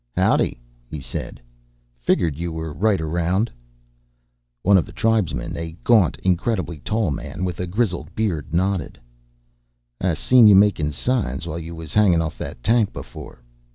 "Howdy," he said. "Figured you were right around." One of the tribesmen a gaunt, incredibly tall man with a grizzled beard nodded. "I seen you makin' signs while you was hangin' off that tank, before.